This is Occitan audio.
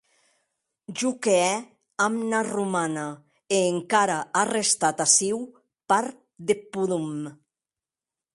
Jo qu’è amna romana, e encara a restat aciu part deth podom.